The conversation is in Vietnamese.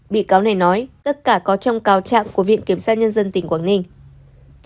bị cáo này nói tất cả có trong cao trạng của viện kiểm sát nhân dân tỉnh quảng ninh